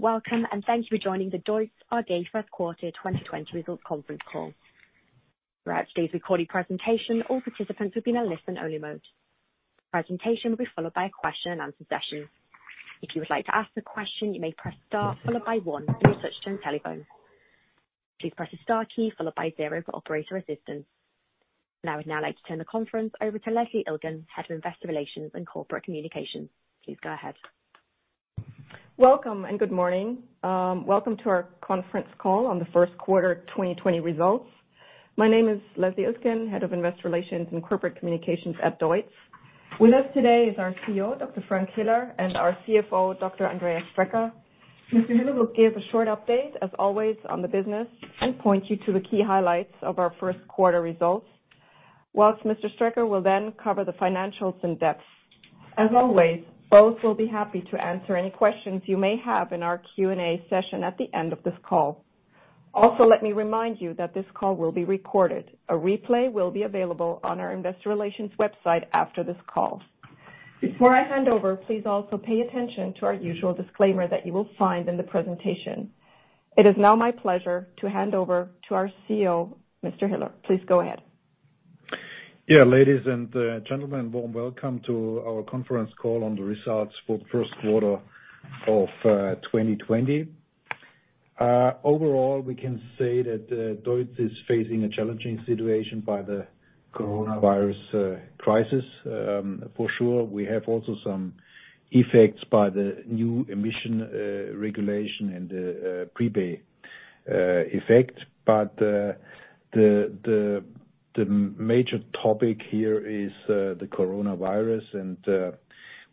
Welcome, and thank you for joining the DEUTZ AG first quarter 2020 results conference call. Throughout today's recorded presentation, all participants will be in a listen-only mode. The presentation will be followed by a question-and-answer session. If you would like to ask a question, you may press Star, followed by 1, and you are switched to a telephone. Please press the Star key, followed by 0, for operator assistance. Now I would now like to turn the conference over to Leslie Iltgen, Head of Investor Relations and Corporate Communications. Please go ahead. Welcome and good morning. Welcome to our conference call on the first quarter 2020 results. My name is Leslie Ilgen, Head of Investor Relations and Corporate Communications at DEUTZ. With us today is our CEO, Dr. Frank Hiller, and our CFO, Dr. Andreas Strecker. Mr. Hiller will give a short update, as always, on the business and point you to the key highlights of our first quarter results. Whilst Mr. Strecker will then cover the financials in depth. As always, both will be happy to answer any questions you may have in our Q&A session at the end of this call. Also, let me remind you that this call will be recorded. A replay will be available on our Investor Relations website after this call. Before I hand over, please also pay attention to our usual disclaimer that you will find in the presentation. It is now my pleasure to hand over to our CEO, Mr. Hiller. Please go ahead. Yeah, ladies and gentlemen, warm welcome to our conference call on the results for the first quarter of 2020. Overall, we can say that DEUTZ is facing a challenging situation by the coronavirus crisis, for sure. We have also some effects by the new emission regulation and the prepay effect, but the major topic here is the coronavirus, and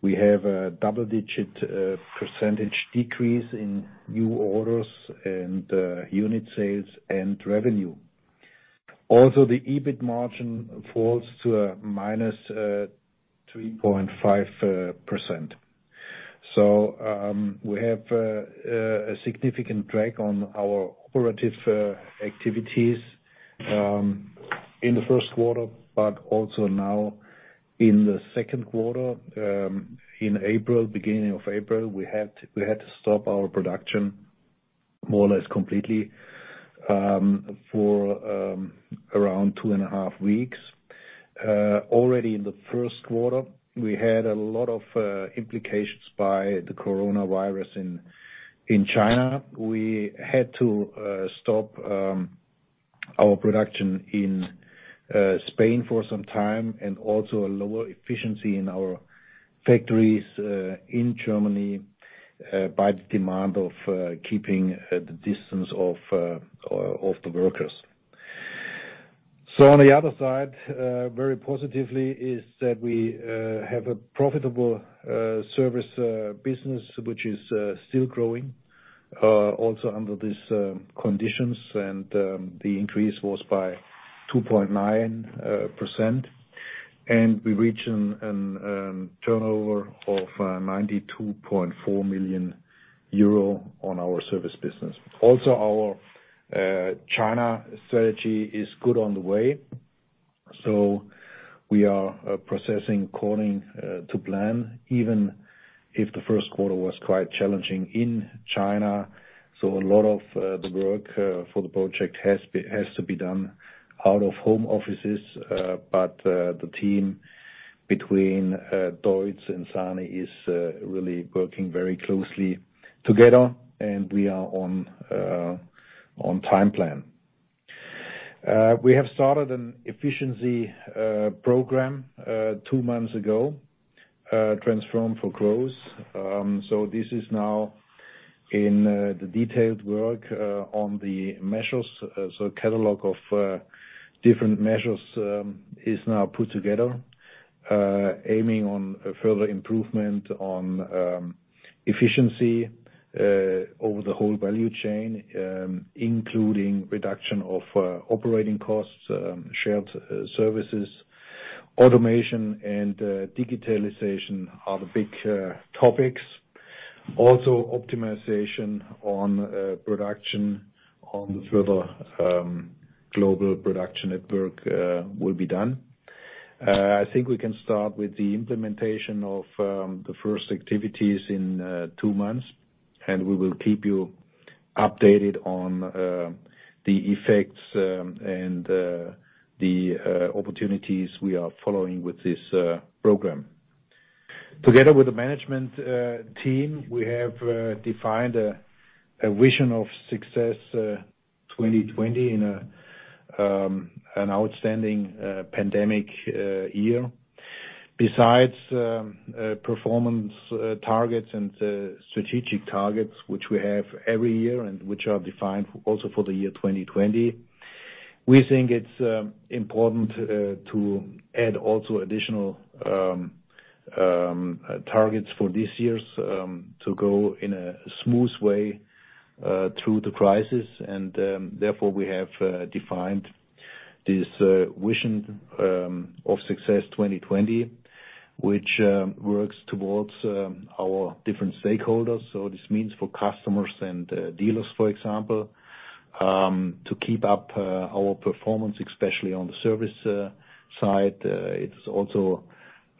we have a double-digit percentage decrease in new orders and unit sales and revenue. Also, the EBIT margin falls to a minus 3.5%. We have a significant drag on our operative activities in the first quarter, but also now in the second quarter. In April, beginning of April, we had to stop our production more or less completely for around two and a half weeks. Already in the first quarter, we had a lot of implications by the coronavirus in China. We had to stop our production in Spain for some time and also a lower efficiency in our factories in Germany by the demand of keeping the distance of the workers. On the other side, very positively is that we have a profitable service business, which is still growing also under these conditions, and the increase was by 2.9%. We reached a turnover of 92.4 million euro on our service business. Also, our China strategy is good on the way, so we are processing according to plan, even if the first quarter was quite challenging in China. A lot of the work for the project has to be done out of home offices, but the team between DEUTZ and SANY is really working very closely together, and we are on time plan. We have started an efficiency program two months ago, Transform for Growth. This is now in the detailed work on the measures. A catalog of different measures is now put together, aiming on further improvement on efficiency over the whole value chain, including reduction of operating costs, shared services. Automation and digitalization are the big topics. Also, optimization on production on the further global production network will be done. I think we can start with the implementation of the first activities in two months, and we will keep you updated on the effects and the opportunities we are following with this program. Together with the management team, we have defined a vision of success for 2020 in an outstanding pandemic year. Besides performance targets and strategic targets, which we have every year and which are defined also for the year 2020, we think it's important to add also additional targets for this year to go in a smooth way through the crisis. Therefore, we have defined this vision of success 2020, which works towards our different stakeholders. This means for customers and dealers, for example, to keep up our performance, especially on the service side. It's also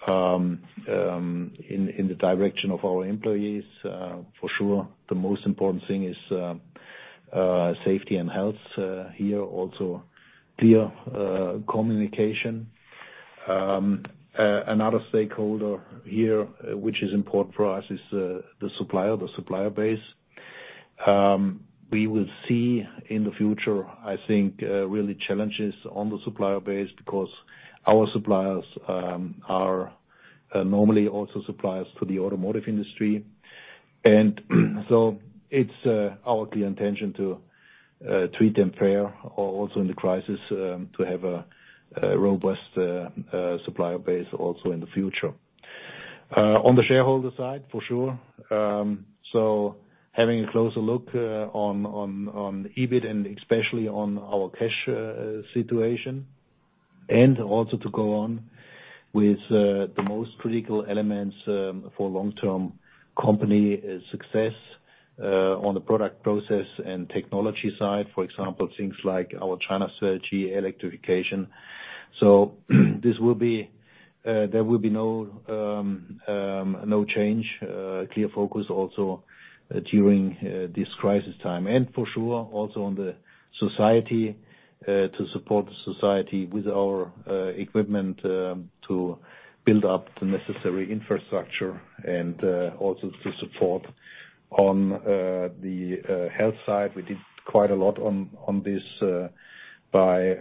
in the direction of our employees. For sure, the most important thing is safety and health here, also clear communication. Another stakeholder here, which is important for us, is the supplier, the supplier base. We will see in the future, I think, really challenges on the supplier base because our suppliers are normally also suppliers to the automotive industry. It is our clear intention to treat them fair also in the crisis, to have a robust supplier base also in the future. On the shareholder side, for sure. Having a closer look on EBIT and especially on our cash situation, and also to go on with the most critical elements for long-term company success on the product process and technology side, for example, things like our China strategy, electrification. There will be no change, clear focus also during this crisis time. For sure, also on the society, to support the society with our equipment to build up the necessary infrastructure and also to support on the health side. We did quite a lot on this by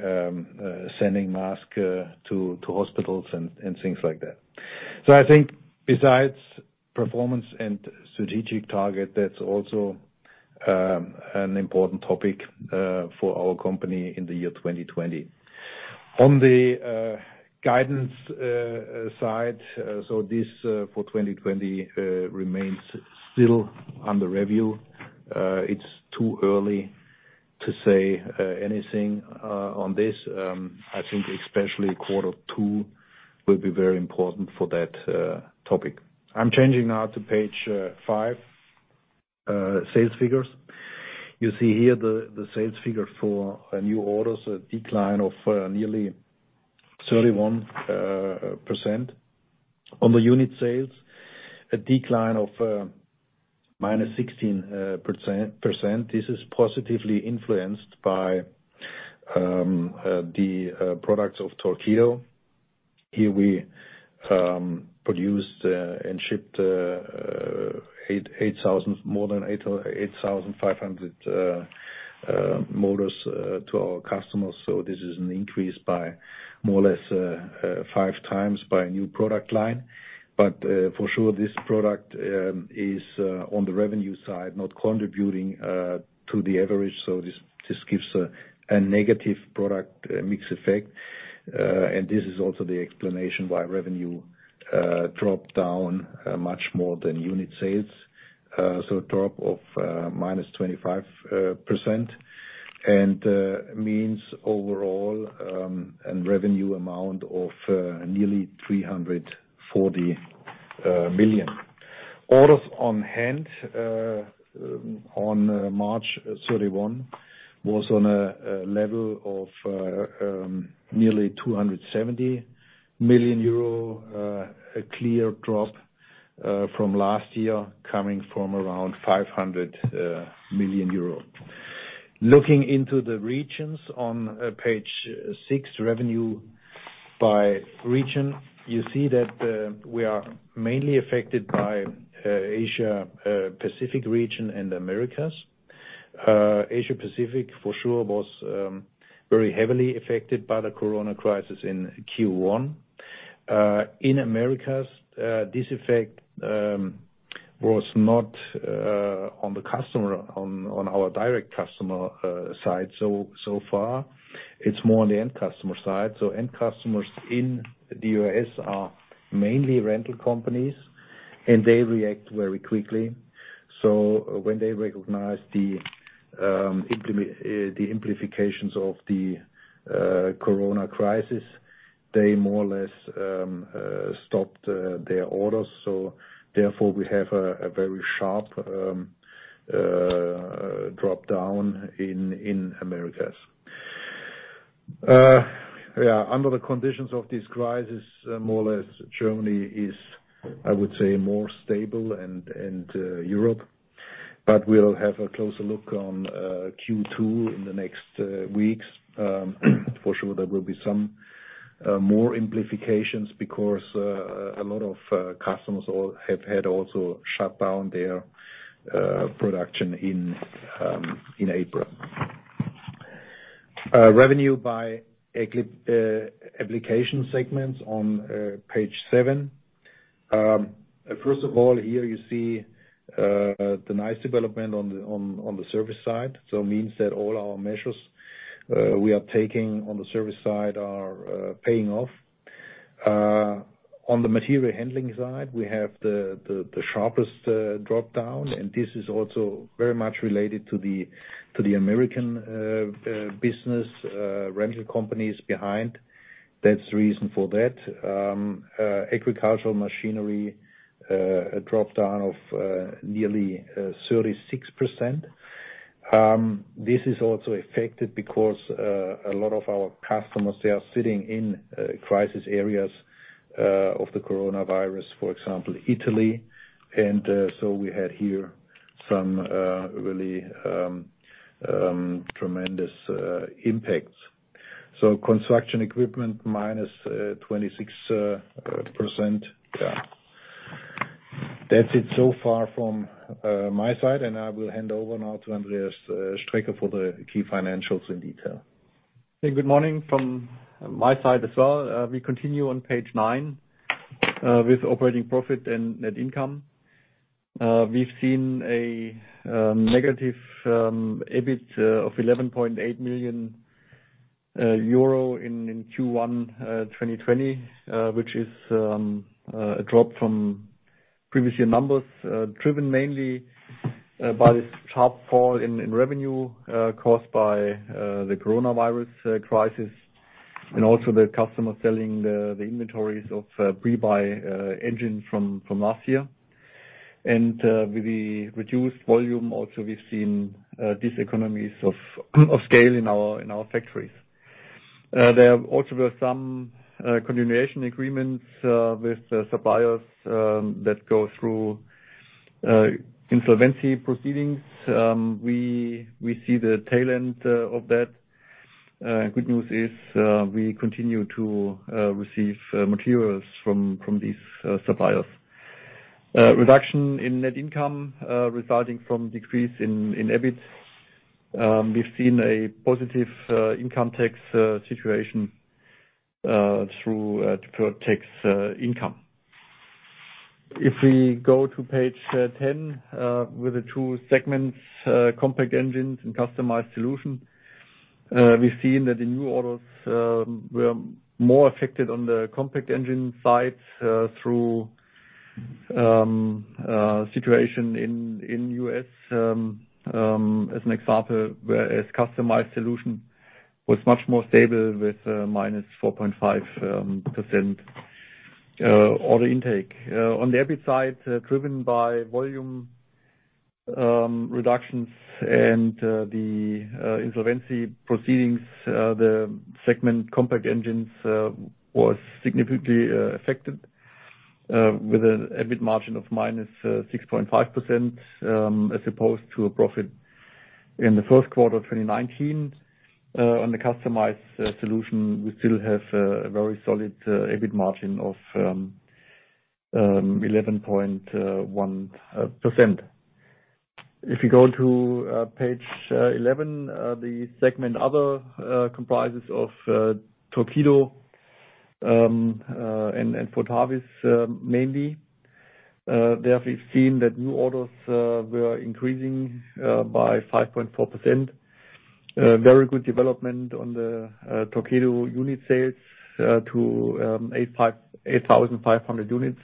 sending masks to hospitals and things like that. I think besides performance and strategic target, that is also an important topic for our company in the year 2020. On the guidance side, so this for 2020 remains still under review. It's too early to say anything on this. I think especially quarter two will be very important for that topic. I'm changing now to page five, sales figures. You see here the sales figure for new orders, a decline of nearly 31%. On the unit sales, a decline of minus 16%. This is positively influenced by the products of Torqueedo. Here we produced and shipped more than 8,500 motors to our customers. This is an increase by more or less five times by a new product line. For sure, this product is on the revenue side, not contributing to the average. This gives a negative product mix effect. This is also the explanation why revenue dropped down much more than unit sales. Drop of minus 25% and means overall a revenue amount of nearly 340 million. Orders on hand on March 31 was on a level of nearly 270 million euro, a clear drop from last year coming from around 500 million euro. Looking into the regions on page six, revenue by region, you see that we are mainly affected by Asia-Pacific region and Americas. Asia-Pacific, for sure, was very heavily affected by the corona crisis in Q1. In Americas, this effect was not on the customer, on our direct customer side so far. It's more on the end customer side. End customers in the U.S. are mainly rental companies, and they react very quickly. When they recognized the amplifications of the corona crisis, they more or less stopped their orders. Therefore, we have a very sharp drop down in Americas. Yeah, under the conditions of this crisis, more or less Germany is, I would say, more stable and Europe. We will have a closer look on Q2 in the next weeks. For sure, there will be some more amplifications because a lot of customers have had also shut down their production in April. Revenue by application segments on page seven. First of all, here you see the nice development on the service side. It means that all our measures we are taking on the service side are paying off. On the material handling side, we have the sharpest drop down, and this is also very much related to the American business rental companies behind. That is the reason for that. Agricultural machinery dropped down of nearly 36%. This is also affected because a lot of our customers, they are sitting in crisis areas of the coronavirus, for example, Italy. We had here some really tremendous impacts. Construction equipment minus 26%. That is it so far from my side, and I will hand over now to Andreas Strecker for the key financials in detail. Hey, good morning from my side as well. We continue on page nine with operating profit and net income. We've seen a negative EBIT of 11.8 million euro in Q1 2020, which is a drop from previous year numbers, driven mainly by this sharp fall in revenue caused by the coronavirus crisis and also the customer selling the inventories of pre-buy engine from last year. With the reduced volume, also we've seen these economies of scale in our factories. There also were some continuation agreements with suppliers that go through insolvency proceedings. We see the tail end of that. Good news is we continue to receive materials from these suppliers. Reduction in net income resulting from decrease in EBIT. We've seen a positive income tax situation through tax income. If we go to page 10 with the two segments, compact engines and customized solution, we've seen that the new orders were more affected on the compact engine side through situation in the U.S., as an example, whereas customized solution was much more stable with -4.5% order intake. On the EBIT side, driven by volume reductions and the insolvency proceedings, the segment compact engines was significantly affected with an EBIT margin of -6.5% as opposed to a profit in the first quarter of 2019. On the customized solution, we still have a very solid EBIT margin of 11.1%. If we go to page 11, the segment other comprises of Torqueedo and [Fort Harvis] mainly. Therefore, we've seen that new orders were increasing by 5.4%. Very good development on the Torqueedo unit sales to 8,500 units.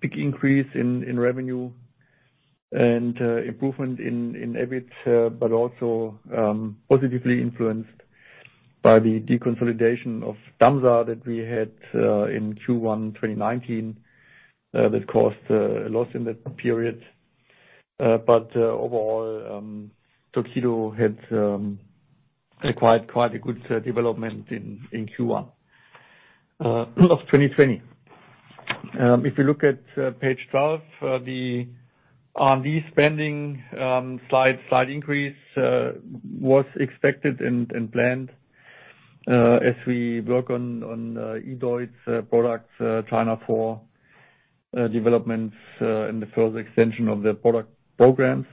Big increase in revenue and improvement in EBIT, also positively influenced by the deconsolidation of [TAMSA] that we had in Q1 2019 that caused a loss in that period. Overall, Torqueedo had quite a good development in Q1 2020. If we look at page 12, the R&D spending slide increase was expected and planned as we work on e-DEUTZ products, China for developments, and the further extension of the product programs.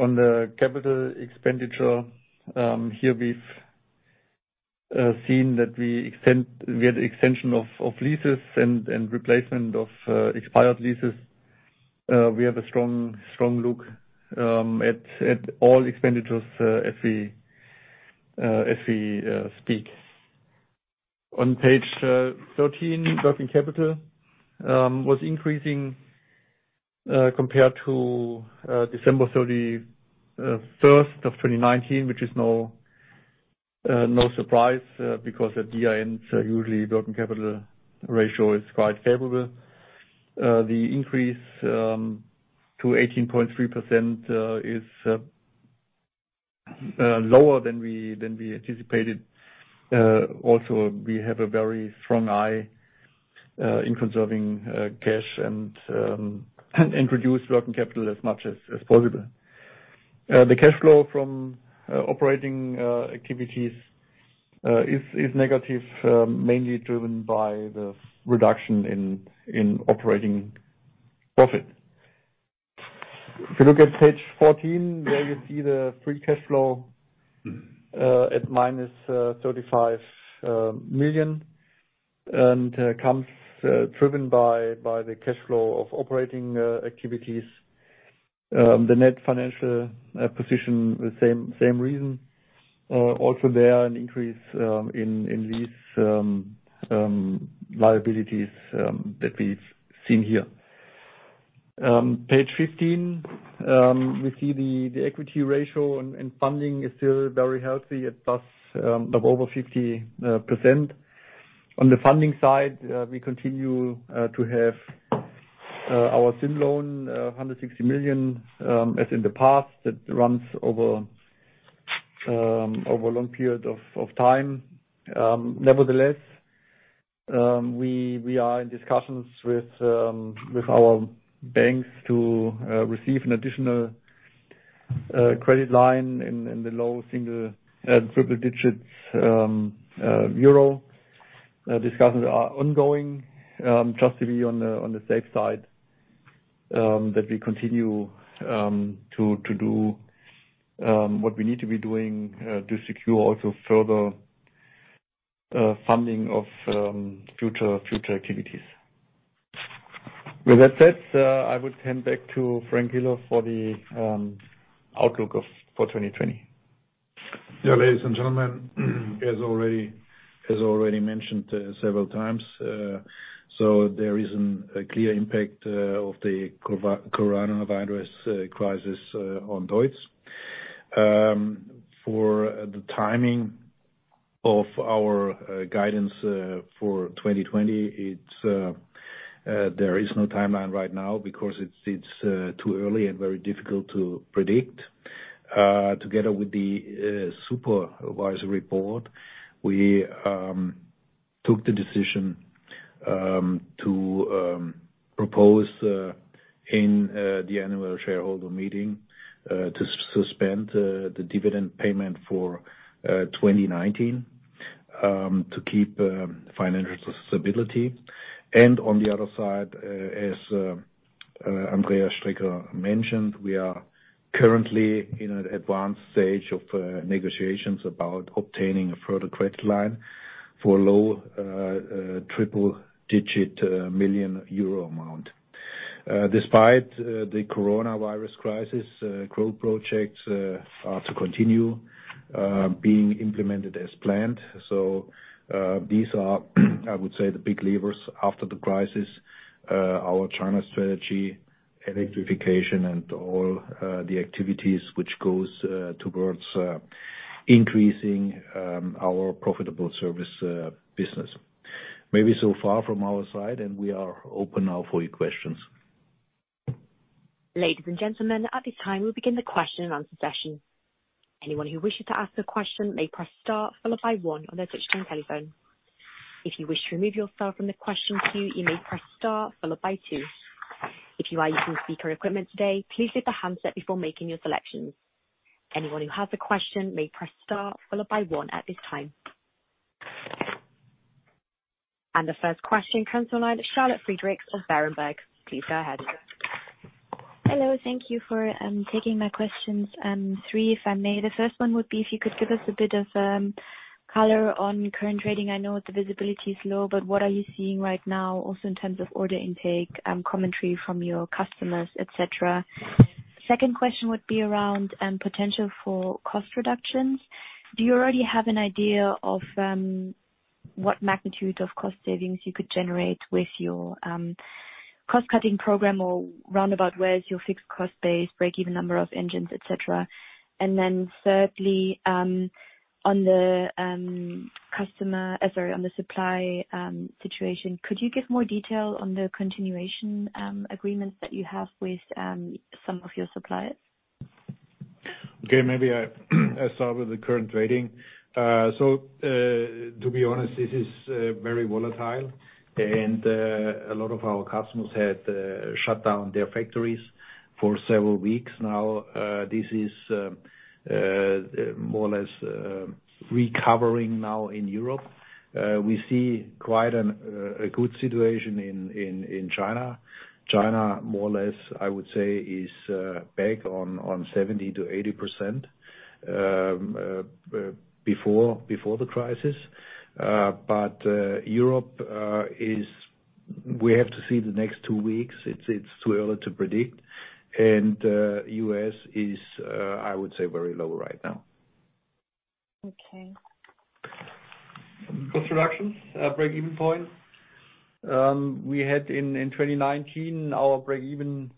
On the capital expenditure, we have seen that we had extension of leases and replacement of expired leases. We have a strong look at all expenditures as we speak. On page 13, working capital was increasing compared to December 31, 2019, which is no surprise because at the end, usually working capital ratio is quite favorable. The increase to 18.3% is lower than we anticipated. Also, we have a very strong eye in conserving cash and introduce working capital as much as possible. The cash flow from operating activities is negative, mainly driven by the reduction in operating profit. If you look at page 14, there you see the free cash flow at -35 million and comes driven by the cash flow of operating activities. The net financial position, same reason. Also there, an increase in lease liabilities that we've seen here. Page 15, we see the equity ratio and funding is still very healthy at plus of over 50%. On the funding side, we continue to have our [syn] loan, 160 million as in the past that runs over a long period of time. Nevertheless, we are in discussions with our banks to receive an additional credit line in the low single and triple digits euro. Discussions are ongoing just to be on the safe side that we continue to do what we need to be doing to secure also further funding of future activities. With that said, I would hand back to Frank Hiller for the outlook for 2020. Yeah, ladies and gentlemen, as already mentioned several times, there is a clear impact of the coronavirus crisis on DEUTZ. For the timing of our guidance for 2020, there is no timeline right now because it is too early and very difficult to predict. Together with the supervisory board, we took the decision to propose in the annual shareholder meeting to suspend the dividend payment for 2019 to keep financial stability. On the other side, as Andreas Strecker mentioned, we are currently in an advanced stage of negotiations about obtaining a further credit line for a low triple-digit million EUR amount. Despite the coronavirus crisis, growth projects are to continue being implemented as planned. These are, I would say, the big levers after the crisis: our China strategy, electrification, and all the activities which go towards increasing our profitable service business. Maybe so far from our side, and we are open now for your questions. Ladies and gentlemen, at this time, we'll begin the question and answer session. Anyone who wishes to ask a question may press star, followed by one on their touchscreen telephone. If you wish to remove yourself from the question queue, you may press star, followed by two. If you are using speaker equipment today, please leave the handset before making your selections. Anyone who has a question may press star, followed by one at this time. The first question comes from Charlotte Friedrichs of Berenberg. Please go ahead. Hello. Thank you for taking my questions. Three, if I may. The first one would be if you could give us a bit of color on current rating. I know the visibility is low, but what are you seeing right now also in terms of order intake, commentary from your customers, etc.? Second question would be around potential for cost reductions. Do you already have an idea of what magnitude of cost savings you could generate with your cost-cutting program or roundabout where is your fixed cost base, break-even number of engines, etc.? Then thirdly, on the customer—sorry, on the supply situation, could you give more detail on the continuation agreements that you have with some of your suppliers? Okay, maybe I start with the current rating. To be honest, this is very volatile, and a lot of our customers had shut down their factories for several weeks. Now, this is more or less recovering now in Europe. We see quite a good situation in China. China, more or less, I would say, is back on 70-80% before the crisis. Europe is—we have to see the next two weeks. It's too early to predict. U.S. is, I would say, very low right now. Okay. Cost reductions, break-even point. We had in 2019, our break-even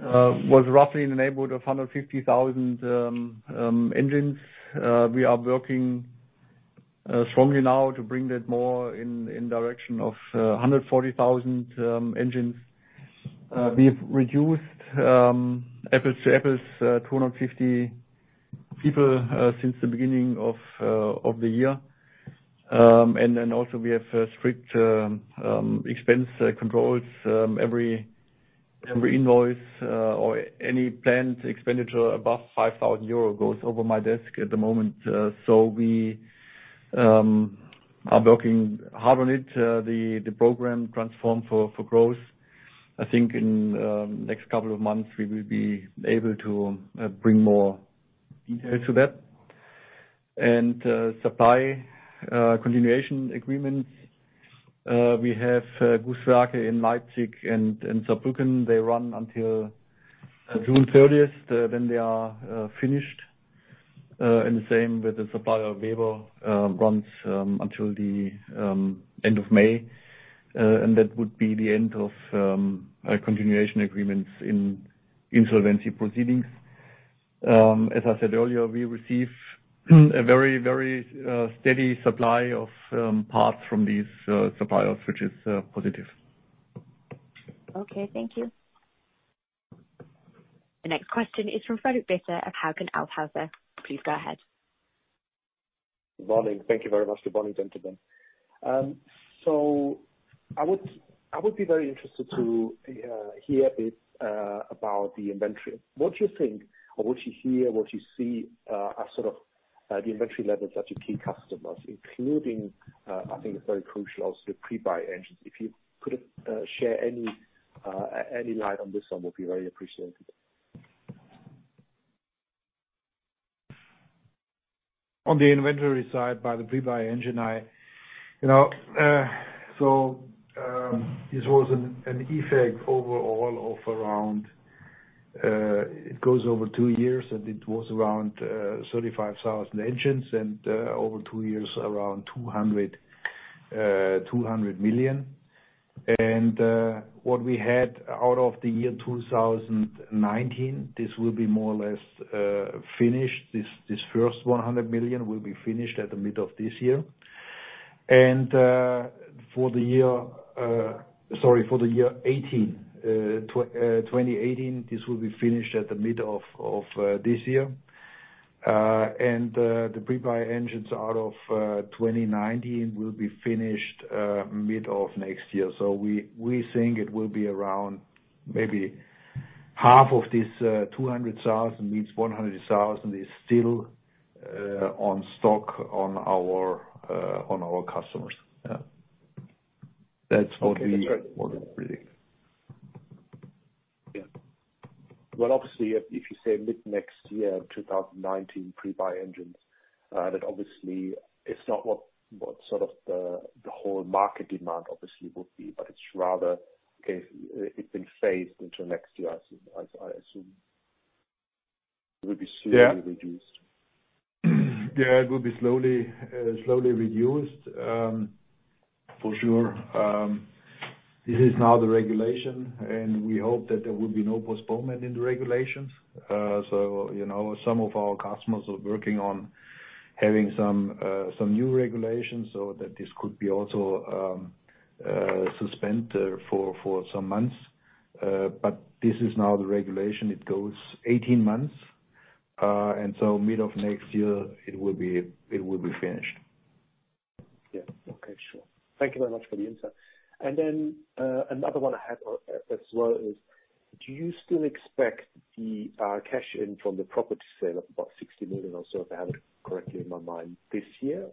was roughly in the neighborhood of 150,000 engines. We are working strongly now to bring that more in the direction of 140,000 engines. We have reduced apples to apples 250 people since the beginning of the year. We also have strict expense controls. Every invoice or any planned expenditure above 5,000 euro goes over my desk at the moment. We are working hard on it. The program transformed for growth. I think in the next couple of months, we will be able to bring more detail to that. Supply continuation agreements, we have [good work] in Leipzig and Saarbrücken. They run until June 30. They are finished at that point. The same with the supplier of [Weber] runs until the end of May. That would be the end of continuation agreements in insolvency proceedings. As I said earlier, we receive a very, very steady supply of parts from these suppliers, which is positive. Okay, thank you. The next question is from Frederik Bitter of Hauck & Aufhäuser. Please go ahead. Good morning. Thank you very much. Good morning, gentlemen. I would be very interested to hear a bit about the inventory. What do you think, or what you hear, what you see are sort of the inventory levels at your key customers, including, I think it is very crucial, also the pre-buy engines? If you could share any light on this one, it would be very appreciated. On the inventory side by the pre-buy engine, this was an effect overall of around it goes over two years, and it was around 35,000 engines and over two years, around 200 million. What we had out of the year 2019, this will be more or less finished. This first 100 million will be finished at the middle of this year. For the year 2018, this will be finished at the middle of this year. The pre-buy engines out of 2019 will be finished mid of next year. We think it will be around maybe half of this 200,000 means 100,000 is still on stock on our customers. That's what we predict. Yeah. Obviously, if you say mid next year, 2019 pre-buy engines, that obviously is not what sort of the whole market demand obviously would be, but it's rather it's been phased into next year, I assume. It will be slowly reduced. Yeah, it will be slowly reduced, for sure. This is now the regulation, and we hope that there will be no postponement in the regulations. Some of our customers are working on having some new regulations so that this could be also suspended for some months. This is now the regulation. It goes 18 months. Mid of next year, it will be finished. Yeah. Okay, sure. Thank you very much for the insight. Another one I have as well is, do you still expect the cash in from the property sale of about 60 million or so, if I have it correctly in my mind, this year?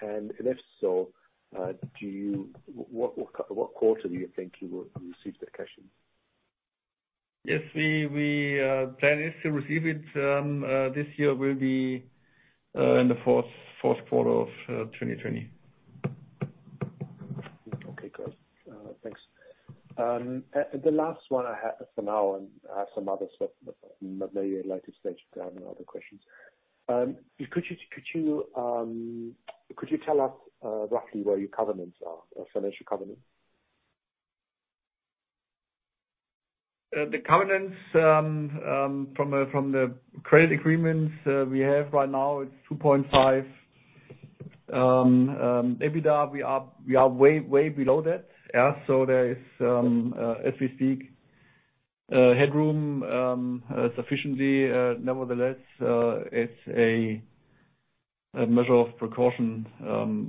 If so, what quarter do you think you will receive the cash in? Yes, we plan to receive it this year. It will be in the fourth quarter of 2020. Okay, great. Thanks. The last one I have for now, and I have some others, but maybe I'd like to stage with other questions. Could you tell us roughly where your covenants are, financial covenants? The covenants from the credit agreements we have right now, it's 2.5. Maybe we are way, way below that. There is, as we speak, headroom sufficiently. Nevertheless, it's a measure of precaution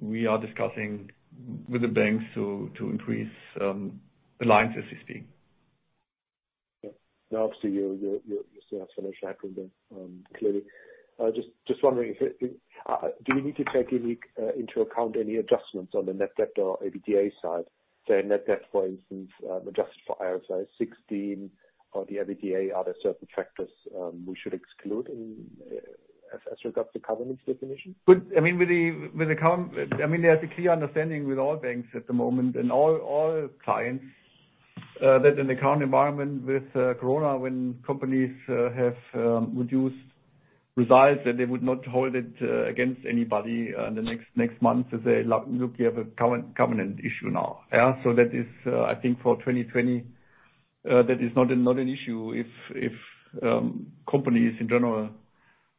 we are discussing with the banks to increase the lines, as we speak. Yeah. No, obviously, you still have financial credit clearly. Just wondering, do we need to take into account any adjustments on the net debt or [EBITDA] side? Say net debt, for instance, adjusted for IFRS 16, or the [EBITDA], are there certain factors we should exclude as regards to covenants definition? I mean, there's a clear understanding with all banks at the moment and all clients that in the current environment with corona, when companies have reduced results, that they would not hold it against anybody in the next month to say, "Look, we have a covenant issue now." That is, I think, for 2020, that is not an issue if companies in general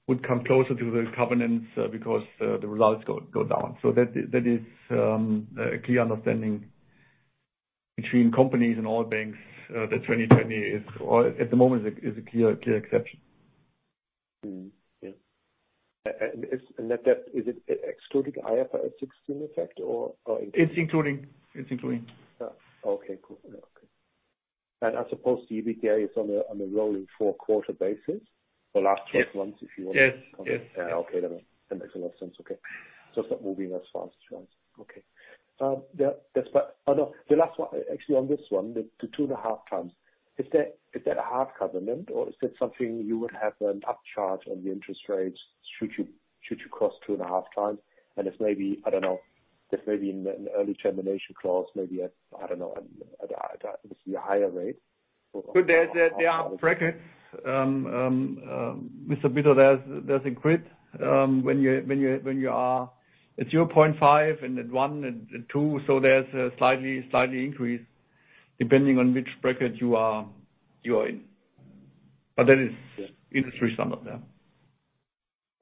would come closer to the covenants because the results go down. That is a clear understanding between companies and all banks that 2020 is, at the moment, a clear exception. Yeah. And Net debt, is it excluding IFRS 16 effect or? It's including. Okay. Cool. Okay. I suppose the EBITDA is on a rolling four-quarter basis for the last 12 months, if you want to. Yes. Yes. Okay. That makes a lot of sense. Okay. It is not moving as fast, right? Okay. The last one, actually, on this one, the two-and-a- half times, is that a hard covenant, or is that something you would have an upcharge on the interest rates should you cross two-and-a-half times? If maybe, I do not know, there is maybe an early termination clause, maybe, I do not know, obviously, a higher rate? There are brackets. Mr. Bitter, there's a grid when you are at 0.5 and at 1 and 2. There is a slight increase depending on which bracket you are in. That is industry standard.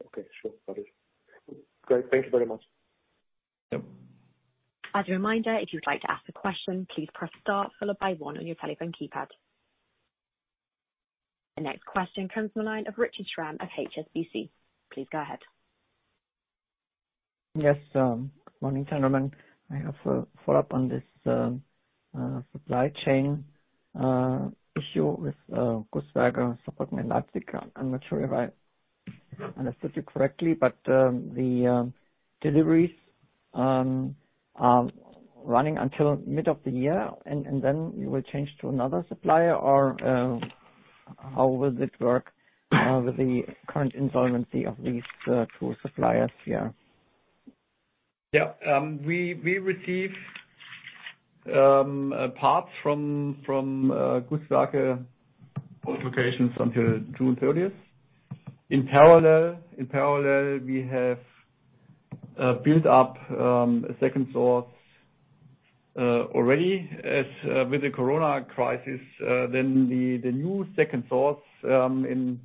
Okay. Sure. Got it. Great. Thank you very much. Yep. As a reminder, if you'd like to ask a question, please press star, followed by one on your telephone keypad. The next question comes from the line of Richard Schramm of HSBC. Please go ahead. Yes. Good morning, gentlemen. I have a follow-up on this supply chain issue with [GKN] support in Leipzig. I'm not sure if I understood you correctly, but the deliveries are running until mid of the year, and then you will change to another supplier? Or how will it work with the current insolvency of these two suppliers here? Yeah. We receive parts from [GKN] both locations until June 30. In parallel, we have built up a second source already. With the corona crisis, then the new second source in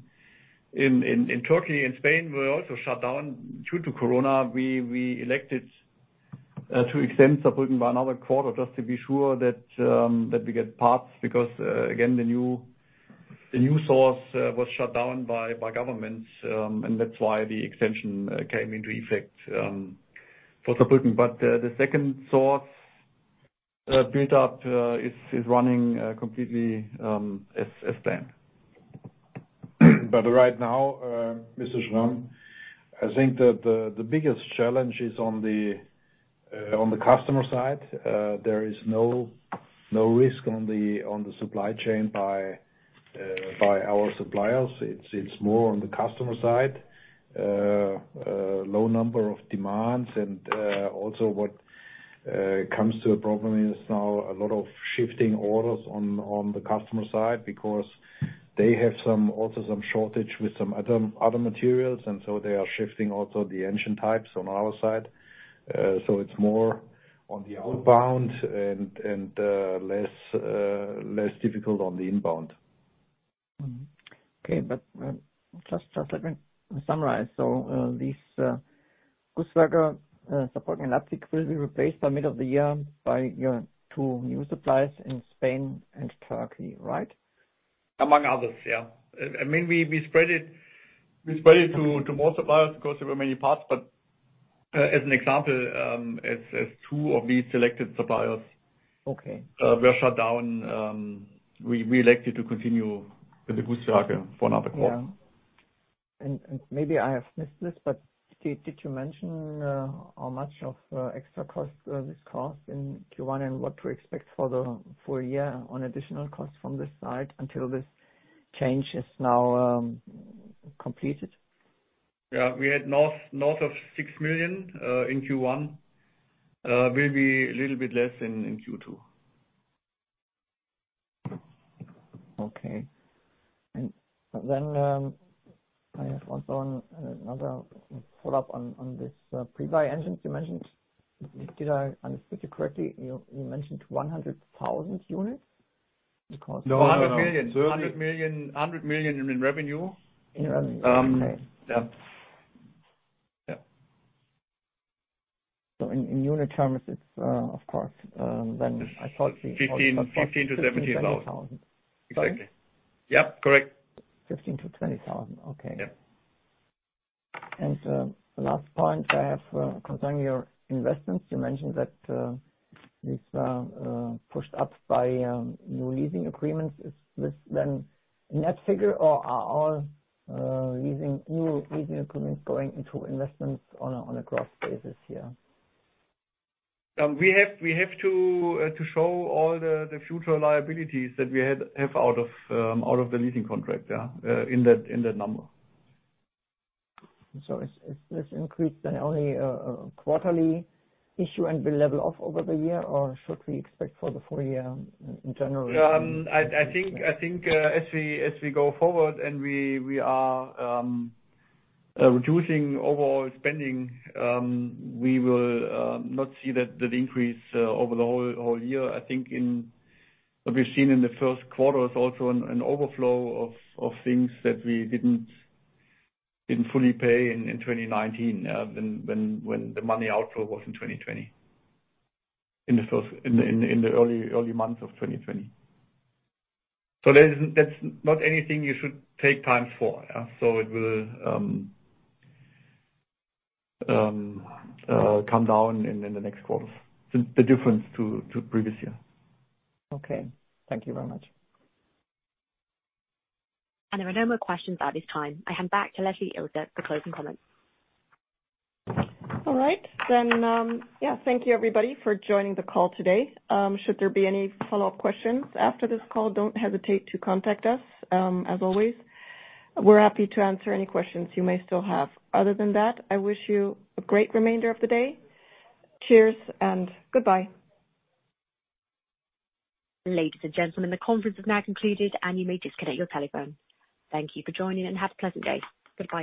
Turkey and Spain were also shut down due to corona. We elected to extend Saarbrücken by another quarter just to be sure that we get parts because, again, the new source was shut down by governments, and that is why the extension came into effect for Saarbrücken. The second source build-up is running completely as planned. Right now, Mr. Schramm, I think that the biggest challenge is on the customer side. There is no risk on the supply chain by our suppliers. It is more on the customer side. Low number of demands. What comes to a problem is now a lot of shifting orders on the customer side because they have also some shortage with some other materials. They are shifting also the engine types on our side. It is more on the outbound and less difficult on the inbound. Okay. Just let me summarize. These [GKN suppliers] in Leipzig will be replaced by mid of the year by your two new suppliers in Spain and Turkey, right? Among others, yeah. I mean, we spread it to more suppliers because there were many parts. As an example, as two of these selected suppliers were shut down, we elected to continue with [Weber] for another quarter. Yeah. Maybe I have missed this, but did you mention how much of extra cost this cost in Q1 and what to expect for the full year on additional costs from this side until this change is now completed? Yeah. We had north of 6 million in Q1. It will be a little bit less in Q2. Okay. I have also another follow-up on this pre-buy engines you mentioned. Did I understand you correctly? You mentioned 100,000 units because of. No, 100 million. 100 million in revenue. In revenue. Okay. Yeah. Yeah. In unit terms, it's, of course, then I thought. 15000 to [20,000]. 15,000-20,000. Exactly. Yep. Correct. 15,000 to 20,000. Okay. Yeah. The last point I have concerning your investments. You mentioned that these were pushed up by new leasing agreements. Is this then net figure, or are all new leasing agreements going into investments on a gross basis here? We have to show all the future liabilities that we have out of the leasing contract, yeah, in that number. Is this increase then only a quarterly issue and will level off over the year, or should we expect for the full year in general? Yeah. I think as we go forward and we are reducing overall spending, we will not see that the increase over the whole year. I think what we've seen in the first quarter is also an overflow of things that we did not fully pay in 2019, when the money outflow was in 2020, in the early months of 2020. That is not anything you should take time for. It will come down in the next quarter, the difference to previous year. Okay. Thank you very much. There are no more questions at this time. I hand back to Leslie Iltgen for closing comments. All right. Yeah, thank you, everybody, for joining the call today. Should there be any follow-up questions after this call, do not hesitate to contact us, as always. We are happy to answer any questions you may still have. Other than that, I wish you a great remainder of the day. Cheers and goodbye. Ladies and gentlemen, the conference has now concluded, and you may disconnect your telephone. Thank you for joining, and have a pleasant day. Goodbye.